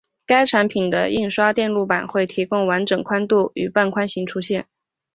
该产品的印刷电路板会提供完整宽度与半宽型出现。